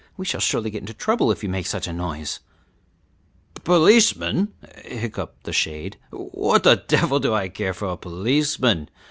We shall surely get into trouble if you make such a noise." "Policeman?" hiccoughed the shade, "What the devil do I care for a policeman?